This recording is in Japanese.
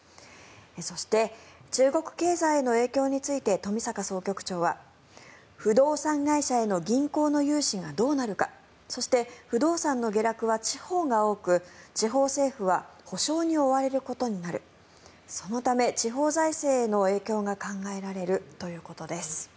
そして中国経済への影響について冨坂総局長は不動産会社への銀行の融資がどうなるかそして不動産の下落は地方が多く地方政府は補償に追われることになるそのため、地方財政への影響が考えられるということです。